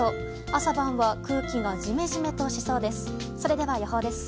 朝晩は空気がジメジメとしそうです。